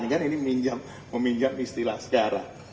ini kan ini meminjam istilah sekarang